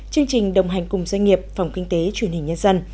chương trình đồng hành cùng doanh nghiệp phòng kinh tế truyền hình nhân dân